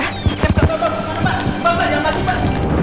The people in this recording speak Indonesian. eh pak pak pak pak pak